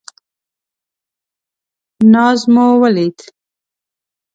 ناز مو ولید.